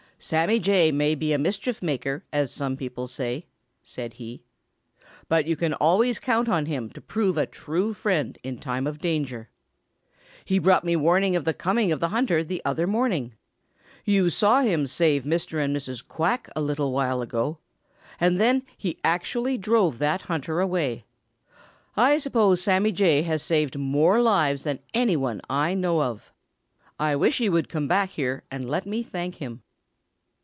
"Sammy Jay may be a mischief maker, as some people say," said he, "but you can always count on him to prove a true friend in time of danger. He brought me warning of the coming of the hunter the other morning. You saw him save Mr. and Mrs. Quack a little while ago, and then he actually drove that hunter away. I suppose Sammy Jay has saved more lives than any one I know of. I wish he would come back here and let me thank him."